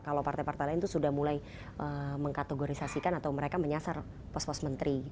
kalau partai partai lain itu sudah mulai mengkategorisasikan atau mereka menyasar pos pos menteri